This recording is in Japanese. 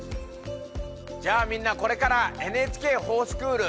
じゃあみんなこれから「ＮＨＫｆｏｒＳｃｈｏｏｌ」。